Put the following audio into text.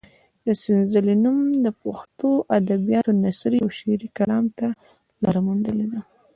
د سنځلې نوم د پښتو ادبیاتو نثري او شعري کلام ته لاره موندلې ده.